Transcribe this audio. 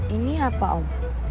ini apa om